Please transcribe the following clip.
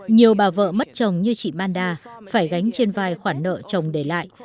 nhiều bà vợ mất chồng như chị manda phải gánh trên vai khoản nợ chồng để lại